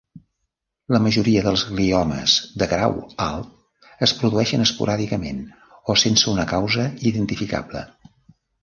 La majoria dels gliomes de grau alt es produeixen esporàdicament o sense una causa identificable.